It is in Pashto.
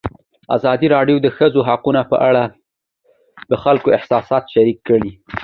ازادي راډیو د د ښځو حقونه په اړه د خلکو احساسات شریک کړي.